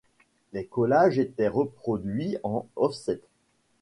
Les collages étaient reproduits en offset.